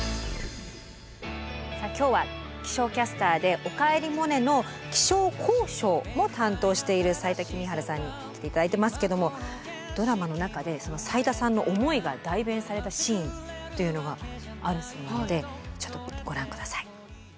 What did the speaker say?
さあ今日は気象キャスターで「おかえりモネ」の気象考証も担当している斉田季実治さんに来て頂いてますけどもドラマの中で斉田さんの思いが代弁されたシーンというのがあるそうなのでちょっとご覧下さい。